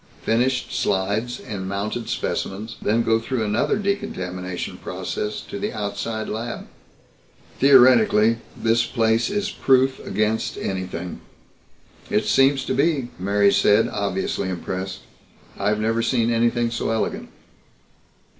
Finished slides and mounted specimens then go through another decontamination process to the outside lab. Theoretically, this place is proof against anything." "It seems to be," Mary said, obviously impressed. "I've never seen anything so elegant."